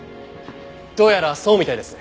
どうやらそうみたいです。